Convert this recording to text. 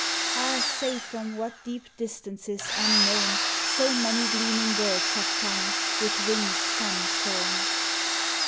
Ah, say, from what deep distances unknown So many gleaming birds have come With wings sun sown?